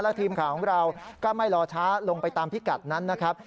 ทีมข่าวของเราก็ไม่รอช้าลงไปตามพิกัดนั้นนะครับ